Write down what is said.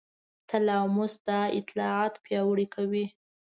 تلاموس دا اطلاعات پیاوړي کوي.